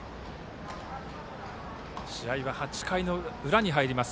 試合は８回の裏に入ります。